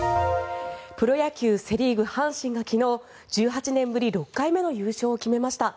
プロ野球セ・リーグ阪神が昨日１８年ぶり６回目の優勝を決めました。